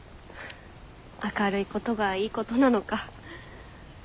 明るいことがいいことなのか。